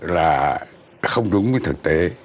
là không đúng với thực tế